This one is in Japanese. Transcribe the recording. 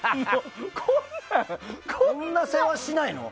こんなせわしないの？